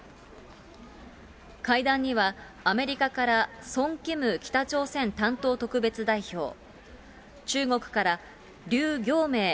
会談には、アメリカからソン・キム北朝鮮担当特別代表、中国から、劉暁明